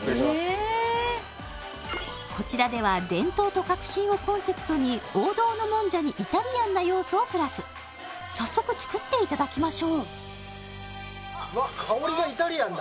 こちらでは伝統と革新をコンセプトに王道のもんじゃにイタリアンな要素をプラス早速作っていただきましょうえっ？